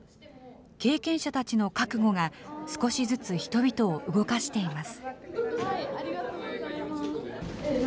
経験者たちの覚悟が、少しずつ人々を動かしています。